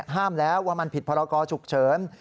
ห้ามแล้วว่ามันผิดพรกรฉุกเฉิน